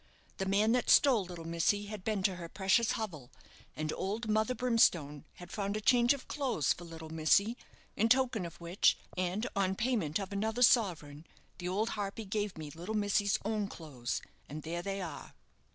The man that stole little missy had been to her precious hovel, and old Mother Brimstone had found a change of clothes for little missy, in token of which, and on payment of another sovereign, the old harpy gave me little missy's own clothes; and there they are."